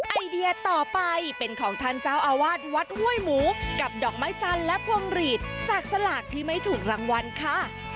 ไอเดียต่อไปเป็นของท่านเจ้าอาวาสวัดห้วยหมูกับดอกไม้จันทร์และพวงหลีดจากสลากที่ไม่ถูกรางวัลค่ะ